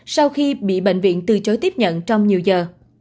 sau khi bị bệnh viện từ chối tiếp nhận trong nhiều giờ